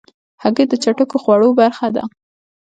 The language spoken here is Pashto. هګۍ د چټکو خوړو برخه ده.